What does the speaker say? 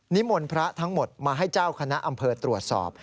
มนต์พระทั้งหมดมาให้เจ้าคณะอำเภอตรวจสอบ